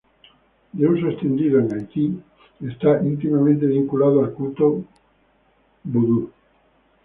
De uso extendido en Haití, está íntimamente vinculado al culto voodoo.